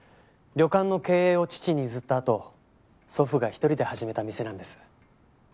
旅館の経営を父に譲ったあと祖父が一人で始めた店なんです。